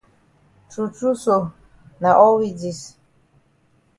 True true so na all we dis.